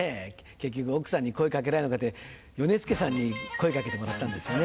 結局奥さんに声かけられなくてヨネスケさんに声かけてもらったんですよね